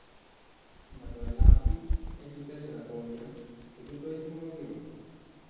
Μα το ελάφι έχει τέσσερα πόδια, και τούτο έχει μόνο δυο!